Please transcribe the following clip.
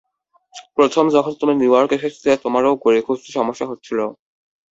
প্রথম যখন তুমি নিউইয়র্ক এসেছিলে তোমারও গলি খুঁজতে সমস্যা হচ্ছিল।